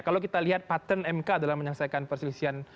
kalau kita lihat patent mk dalam menyelesaikan perselisihan